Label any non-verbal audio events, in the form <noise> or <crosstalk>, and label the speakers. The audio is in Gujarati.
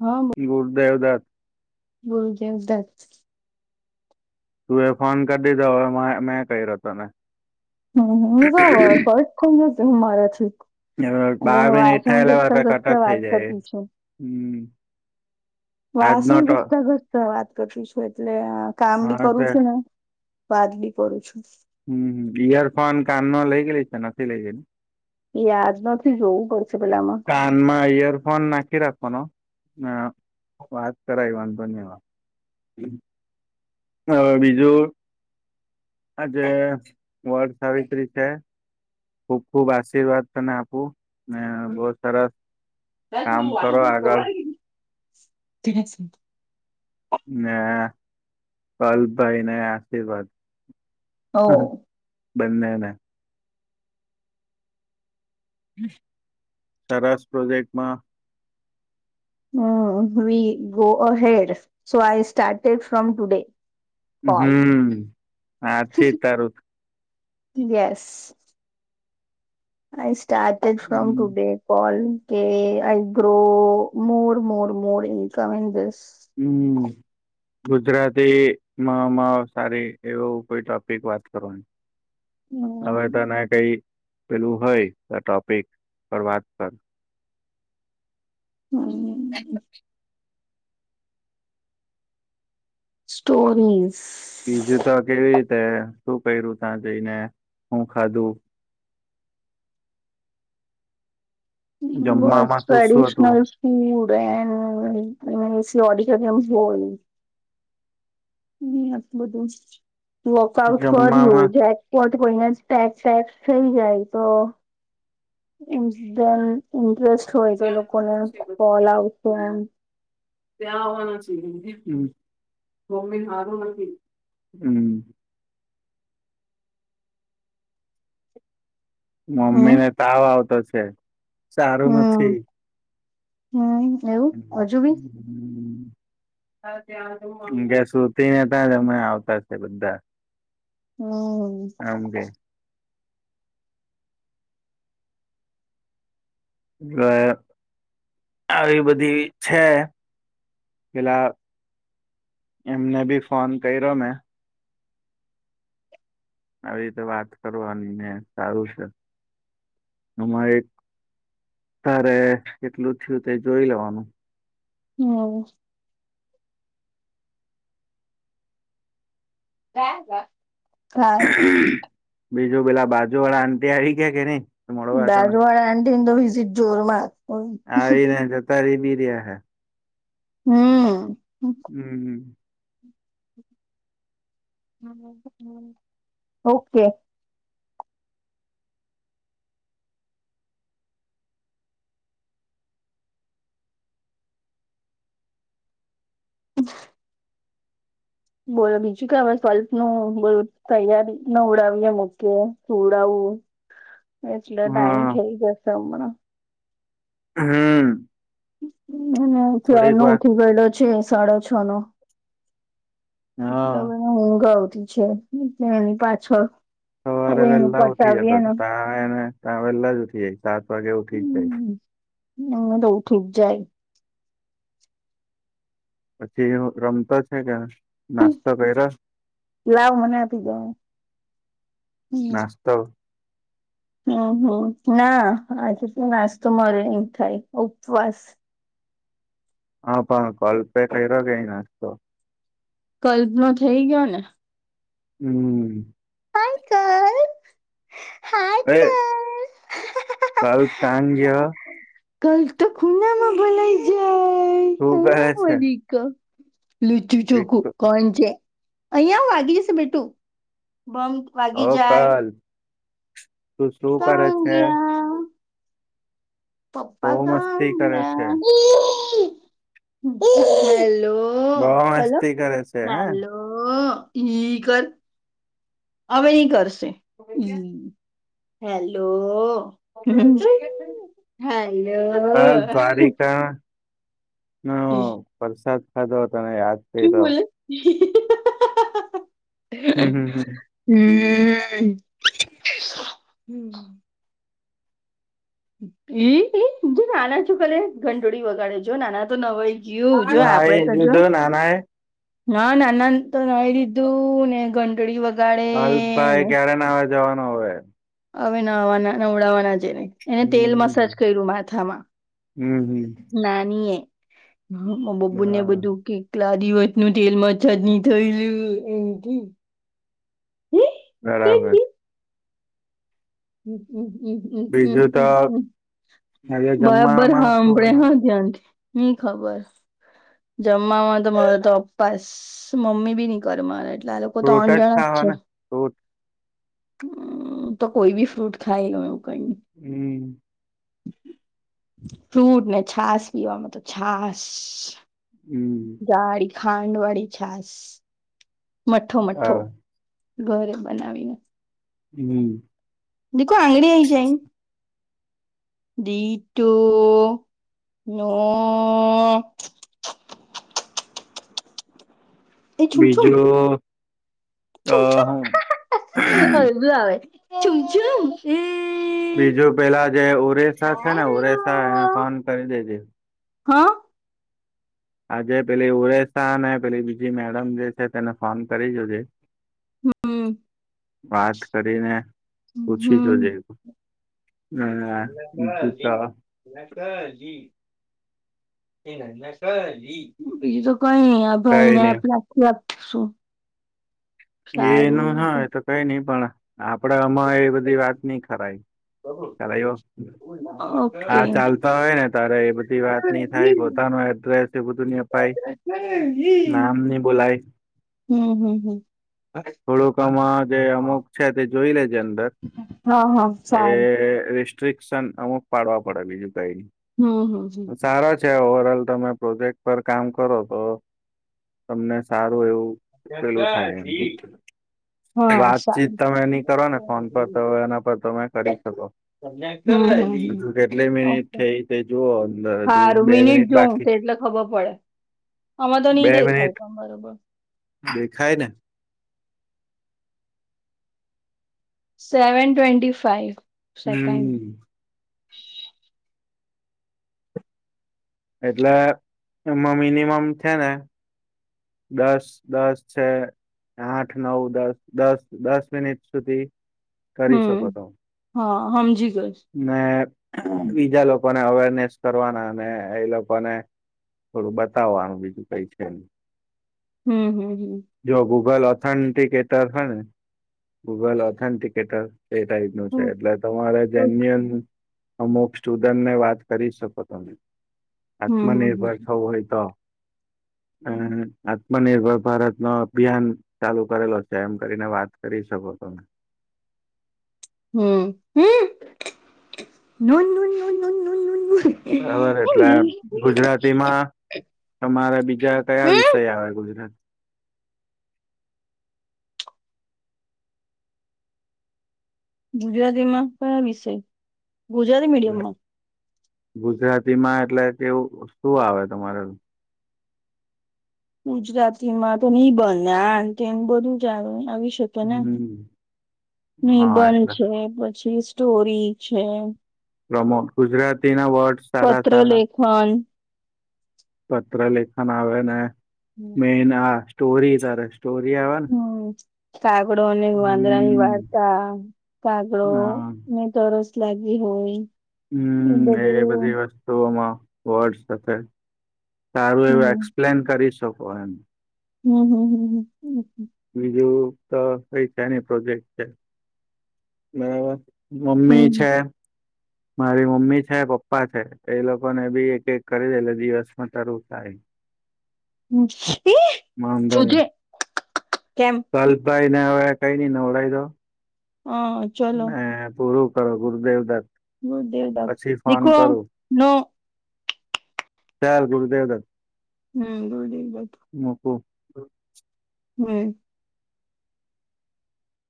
Speaker 1: હા.
Speaker 2: એ ગુર્દેવદત.
Speaker 1: બોલ જ, એકદા જ.
Speaker 2: તું એ ફોન કરી દીધો, હવે મેં ક રહ્યો તને.
Speaker 1: હમ, મજા ફટ કોમ જશે, હું મારાથી
Speaker 2: હવે બાર
Speaker 1: અને
Speaker 2: મિનિટ
Speaker 1: વાસણ
Speaker 2: થાય એટલે
Speaker 1: ગસ્તા
Speaker 2: પાછા કટ
Speaker 1: ગસ્તા
Speaker 2: જ થઈ
Speaker 1: વાત
Speaker 2: જાય
Speaker 1: કરતી છું.
Speaker 2: હમ. આજનો
Speaker 1: વાસણ
Speaker 2: તો
Speaker 1: ઘસતા ઘસતા વાત કરતી છું, એટલે કામ બી
Speaker 2: હા
Speaker 1: કરું
Speaker 2: તે
Speaker 1: છે ને. બાદલી પડું છું.
Speaker 2: હમ, ઈયરફોન કાનનો લઇ ગેલી છે, નથી, લઇ ગયેલી.
Speaker 1: યાજ નથી જોવું પડશે, પેલા આમાં
Speaker 2: કાનમાં ઈયરફોન નાખી રાખવાનો, વાત કરાવવાનું, ધન્યવાદ. હમ. હ, બીજું આજે વડ સાવિત્રી છે. ખુબ ખુબ આશીર્વાદ તને આપું ને, બહુ સરસ. કામ કરો આગળ
Speaker 1: નાું ત <unintelligible>
Speaker 2: હ, પેલા ભાઈને આશીર્વાદ.
Speaker 1: ઓ
Speaker 2: બંધના. સસ પ્રોજેક્ટમાં.
Speaker 1: Hmm, we go ahead so I started from today. <unintelligible> Call
Speaker 2: hmm, હાથી તારું.
Speaker 1: Yes. I started from
Speaker 2: hmm
Speaker 1: today. Call કે I grow more more more incoming this
Speaker 2: hmm Gujarati મા સારી એવું કોઈ ટોપિક વાત કરો હવે તને કઈ પેલું હોય ટોપિક પર વાત પર
Speaker 1: હમ્મ સ્ટોરીઝ
Speaker 2: બીજું તો કેવી રીતે શું કર્યું ત્યાં જઈને હું ખાધું
Speaker 1: હ બસ
Speaker 2: જમવામાં શું શું હતું
Speaker 1: ટ્રેડિશનલ હુંડ એ ઓડીટોરયમ બોલ હમટું બધું વકઆઉટ ફ
Speaker 2: જમવામાં
Speaker 1: હોવું જાય કોટ કોઈને ટેક્ વેક્સ થઈ જાય તો એન ઇન્ટરેસ્ટ હોય તો લોકોને ફલ આવત એમ
Speaker 2: ત્યાંઆવાના ચ <unintelligible> હારુ હમ્મ
Speaker 1: હમ
Speaker 2: મમ્મી ને તાવ આવતો છે સારું નથી
Speaker 1: હમ્મ એવું હજુ બી.
Speaker 2: હમ કે સુતીને હતા જ અમે આવતા છે બધા
Speaker 1: હમ્મ
Speaker 2: એમ કે <unintelligible> આવી બધી છે પેલા એમને ભી ફોન કર્યો મેં આવી રીતે વાત કરવાની ને, સારું છે. એમાં એક તારે એટલું થયું તે જોઈ લેવાનું.
Speaker 1: હમ હ, હા.
Speaker 2: <unintelligible> બીજું પેલા બાજુ વાળા આન્ટી આવી ગયા કે નઈ? મળવા તને
Speaker 1: બાજુવાડા એન્ટીન તો વિઝિટ જોરમાંર.
Speaker 2: આવીને જતારી બી રહ્યા હે
Speaker 1: હમ્મ
Speaker 2: હમ હમ
Speaker 1: ઓકે <unintelligible> બોલો બીજું કે, હવે સ્લ્પ નું બોલ તૈયારી નું ઉડાવીએ મૂકે ઉડાવું. એટલે ટાઈમ
Speaker 2: હા
Speaker 1: થઈ જશે હમણાં
Speaker 2: હમ્મ
Speaker 1: અને છ નો
Speaker 2: વાર
Speaker 1: ઉઠી ગયેલો છે સાડો છ નો મટલને
Speaker 2: હા
Speaker 1: ઊંઘ આવતી છે, એલે એની પાછળ.
Speaker 2: તમારે
Speaker 1: હવે એનું
Speaker 2: વેહેલા ઉઠી જતો
Speaker 1: પતાવીએ ને
Speaker 2: ત્યાં એને ત્યાં વેહલા જ ઉઠી જાય સાત વાગે ઉઠી જ જાય
Speaker 1: ના તવઠક જાય <unintelligible>
Speaker 2: પછી રમતો છે કે, નાસ્તો કર્યા.
Speaker 1: લાવ મને આપી દોવ.
Speaker 2: નાસ્તો
Speaker 1: હમ્મ હમ્મ ના આજે તો નાસ્તો મારે ની થાય ઉપવાસ
Speaker 2: હા, પણ કોલ પે કર્યો, કે ઈ નાસ્તો.
Speaker 1: કલ્પમાં થઈ ગયો ને
Speaker 2: હમ્મ એલ્કાંગ્ય <unintelligible>
Speaker 1: કલ તો ખુનામાં ભલાઇ
Speaker 2: હું કહે છે?
Speaker 1: લુચું ચોખું
Speaker 2: વિક-
Speaker 1: કોણ છે. અહિયાં આવ વાગી જશે બીટુ બમ વાગી
Speaker 2: ઓ
Speaker 1: જાય
Speaker 2: કાલે તું શું કરે
Speaker 1: કાં
Speaker 2: છે? બહુ
Speaker 1: પ્પા
Speaker 2: મસ્તી કરે છે
Speaker 1: કણ ગ હેલો
Speaker 2: બહુ
Speaker 1: <unintelligible> ઓ હલો
Speaker 2: મસ્તી કરે છે હે
Speaker 1: હલો હી હિ કર હવે ઈ કરશે હી હેલો હેલો
Speaker 2: કલ દ્વારિકા
Speaker 1: હમ.
Speaker 2: વરસાદ ખાધો તને યાદ
Speaker 1: શ
Speaker 2: કર્યો
Speaker 1: બલ <unintelligible>
Speaker 2: હમ્મ હમ્મ હમ્મ
Speaker 1: હમ્મ હમ. એ જો નાના છું કાલે ઘંટળી વગાડે જો નાના તો ન હોય જીયુ જો
Speaker 2: હમ
Speaker 1: આપડે
Speaker 2: નાઈ
Speaker 1: તો જો
Speaker 2: દીધો નાના એ
Speaker 1: હા, નાના તો નઈ દધું ને, ગંટડી વ
Speaker 2: હાલ ભાઈ ક્યારે નાવા જવાનો હવે
Speaker 1: હવે ના આવવાના ઉડાવવાના જેને. એને તેલ
Speaker 2: હમ
Speaker 1: મસાજ કર્યું માથામાં
Speaker 2: હમ હમ
Speaker 1: નાની એ બબ્બુ ને
Speaker 2: બરાબર
Speaker 1: બધું કી લાદી દિવસ નું તેલ મચા નની થયે એમ "હે? કઈ
Speaker 2: બરાબર.
Speaker 1: હમ હમ હમ હમ હમ
Speaker 2: બીજું તો
Speaker 1: હમ હ.
Speaker 2: આજે
Speaker 1: બરાબર હા
Speaker 2: જમવામાં શું
Speaker 1: સાંભળે
Speaker 2: બનાવ
Speaker 1: હા ધ્યાનથી ની ખબર. જમવામાં તમારો તો ઉપવાસ મમ્મી બી ન કર મા એટલે આ તો
Speaker 2: ફ્રૂટ
Speaker 1: ત્રણ જણા જ
Speaker 2: ખાવા
Speaker 1: છે.
Speaker 2: ને ફ્રૂટ
Speaker 1: હમ્મ તો કોઈ ભી ફ્રૂટ ખાય એવું કંઈ
Speaker 2: હમ્મ.
Speaker 1: ફ્રૂટ ને છાસ પીવામાં તો છાસ
Speaker 2: હમ્મ.
Speaker 1: ગાડી ખાંડ વાળી છાસ. મઠ્ઠો મઠ્ઠો
Speaker 2: હા
Speaker 1: ઘરે બનાવીને.
Speaker 2: હમ્મ.
Speaker 1: દીખો આંગળ ઈ જાય. દીટો <unintelligible>
Speaker 2: બીજું અ
Speaker 1: છું છું
Speaker 2: હું
Speaker 1: અવે બોલાવે ચું ચું.
Speaker 2: બીજું પેલા જે ઓરેસા છે ને ઓરેસા એને ફોન કરી દેજે.
Speaker 1: હા.
Speaker 2: આજે પેલી ઉરેશાને પેલી બીજી મેડમ જે છે તેને ફોન કરી જોજે.
Speaker 1: હામ હમ્મ.
Speaker 2: વાત કરીને પૂછી
Speaker 1: હમ.
Speaker 2: જોજે. બીજું તો
Speaker 1: <unintelligible> <unintelligible> બીજું તો કઈ નહીં. ભાઈ
Speaker 2: કઈ
Speaker 1: ને
Speaker 2: નહી
Speaker 1: <unintelligible> શું.
Speaker 2: એ ન ના આવે તો કઈ નઈ પણ આપડે અમાં એ બધી વાત નઈ કરાય ખ્યાલ આવ્યો.
Speaker 1: <unintelligible>
Speaker 2: હા ચાલતા હોય ને તારે એ બધી વાત નઈ થાય પોતાનું એડ્રેસ એ બધું <unintelligible>
Speaker 1: હમ
Speaker 2: નામ ની બોલાય.
Speaker 1: હમ હમ
Speaker 2: થોડુંક આમ જે અમુક છે તે જોઈ લેજે અંદર.
Speaker 1: હા હા
Speaker 2: એ
Speaker 1: સારું
Speaker 2: રિસ્ટ્રિકશન અમુક પાડવા પડે બીજું કઈ ની.
Speaker 1: હમ હમ હમ્મ.
Speaker 2: સારા છે ઓવર ઓલ તમે પ્રોજેક્ટ પર કામ કરો તો તમને સારું એવું પેલું થાય એમ.
Speaker 1: હા
Speaker 2: વાતચીત
Speaker 1: સારું
Speaker 2: તમે એની કરો ને ફોન પર તો એના પર તમે કરી શકો. હજુ કેટલી
Speaker 1: ઓ
Speaker 2: મિનિટ થઈ તે જુઓ અંદર હજુ
Speaker 1: હારું
Speaker 2: બે
Speaker 1: મિનિટ જોઉ
Speaker 2: બાકી
Speaker 1: તો
Speaker 2: છે.
Speaker 1: એટલે ખબર પડે અમાં તો નહી દેખાવ તમ બરોબર.
Speaker 2: દેખાયને.
Speaker 1: Seven twenty five. સેકન્ડ
Speaker 2: હમ્મ. એટલે એમાં મિનિમમ છે ને દસ દસ છે. આઠ નવ દસ દસ દસ મિનિટ સુધી કરી
Speaker 1: હમ્મ
Speaker 2: શકો તો
Speaker 1: હા હમજી ગા
Speaker 2: ને બીજા લોકોને અવેરનેસ કરવાના અને એ લોકોને થોડું બતાવો આનું બીજું કઈ છે ને.
Speaker 1: હમ્મ હામ હામ.
Speaker 2: જો ગૂગલ ઓથેન્ટિકેટર હે ને ગૂગલ ઓથેન્ટિકેટર એ ટાઈપ નું છે
Speaker 1: હમ
Speaker 2: એટલે તમારે જેન્યુ <unintelligible> અમુક સ્ટુડન્ટને વાત કરી શકો તમે
Speaker 1: હમ હમ
Speaker 2: આત્મનિર્ભર થવુ હોય તો અ આત્મનિર્ભર ભારત ન અભિયાન ચાલુ કરેલો છે એમ કરીને વાત કરી શકો તમે
Speaker 1: હમ્મ હમ્મ <unintelligible>
Speaker 2: બરાબર એટલે ગુજરાતીમાં તમારા બીજા કયા
Speaker 1: હમ
Speaker 2: વિષય આવે ગુજરાત
Speaker 1: ગુજરાતી માં કયા વિષય ગુજરાતી મીડિયમ માં
Speaker 2: ગુજરાતી માં એટલે કેવું શું આવે તમારે
Speaker 1: ગુજરાતીમાં તો નહી બને આ એમ બધું જાણ આવી શકે તને
Speaker 2: હમ હા
Speaker 1: નિબંધ
Speaker 2: એટલે
Speaker 1: છે પછી સ્ટોરી છે
Speaker 2: પ્રમો ગુજરાતી ના વર્ડ સારા સારા
Speaker 1: ફન
Speaker 2: પત્ર લેખન આવે ને મેન આ સ્ટોરી તારે સ્ટોરી આવે ને
Speaker 1: હમ્મ. કાગડો ને વાંદરાની
Speaker 2: હમ
Speaker 1: વાર્તા કાગડો
Speaker 2: હા
Speaker 1: ને તો રસ લાગી હોય
Speaker 2: હમ્મ એ બધી વાત માં વર્ડ સાથે સારું એવું
Speaker 1: હમ
Speaker 2: એક્સપ્લેન કરી શકો એમ
Speaker 1: હમ હમ્મ હમ્મ હમ્મ.
Speaker 2: બીજું તો કઈ છેની પ્રોજેક્ટ છે બરાબર મમ્મી
Speaker 1: હમ
Speaker 2: છે મારી મમ્મી છે પપ્પા છે એ લોકો ને બી એક એક કરી દે તો દિવસમાં તારું થાય <inaudible>
Speaker 1: શું જે <inaudible> કેમ
Speaker 2: કલ્પ આઇન કઈ ને આવે નવડાવી દો.
Speaker 1: હા.
Speaker 2: ના પૂરું કરો ગુરુદેવ દસ
Speaker 1: નુ ધ્યાન રાખું દીખો નો
Speaker 2: કયા ગુરુદેવ રથ
Speaker 1: હમ્મ રોઈની બાજુ
Speaker 2: મોકો
Speaker 1: હમ્મ.